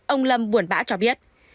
ông lâm buồn bã cho biết